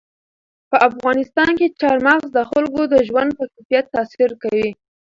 په افغانستان کې چار مغز د خلکو د ژوند په کیفیت تاثیر کوي.